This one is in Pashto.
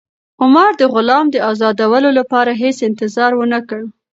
عمر د غلام د ازادولو لپاره هېڅ انتظار ونه کړ.